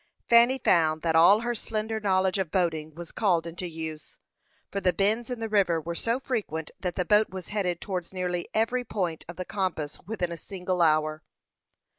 Fanny found that all her slender knowledge of boating was called into use, for the bends in the river were so frequent that the boat was headed towards nearly every point of the compass within a single hour.